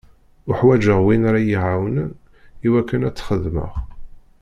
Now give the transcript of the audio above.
Uḥwaǧeɣ win ara yi-iɛawnen i wakken ad t-xedmeɣ.